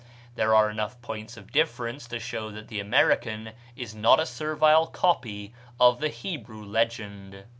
There are enough points of difference to show that the American is not a servile copy of the Hebrew legend.